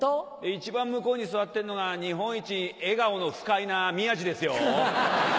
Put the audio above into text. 一番向こうに座ってんのが日本一笑顔のフカイな宮治ですよ。